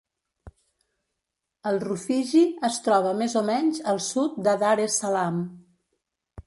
El Rufiji es troba més o menys al sud de Dar es Salaam.